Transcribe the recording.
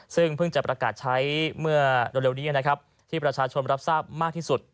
ซึ่งเพิ่งจะประกาศใช้เมื่อเร็วนี้นะครับที่ประชาชนรับทราบมากที่สุด